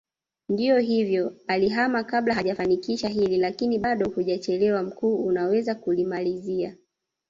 Ndio hivyo alihama kabla hajalifanikisha hili lakini bado hatujachelewa mkuu unaweza kulimalizia